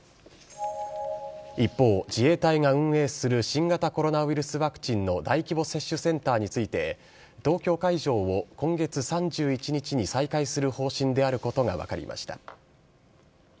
一方、自衛隊が運営する、新型コロナウイルスワクチンの大規模接種センターについて、東京会場を今月３１日に再開する方針であることが分かりました。